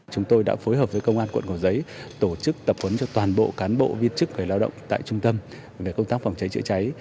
chúng tôi đã phối hợp với công an quận cầu giấy tổ chức tập huấn cho toàn bộ cán bộ viên chức người lao động tại trung tâm về công tác phòng cháy chữa cháy